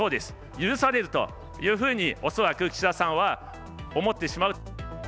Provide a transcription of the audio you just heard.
許されるというふうに恐らく岸田さんは思ってしまう。